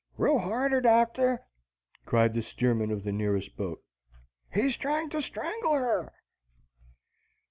"Row harder, Doctor!" cried the steersman of the nearest boat. "He's trying to strangle her!"